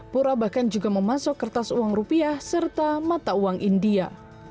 pura bahkan juga memasuk kertas uang rupiah serta mata uang india